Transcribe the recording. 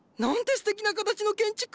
すてきな形の建築！